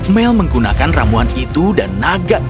mel menggunakan ramuan itu dan naga